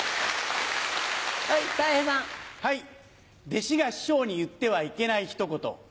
弟子が師匠に言ってはいけないひと言。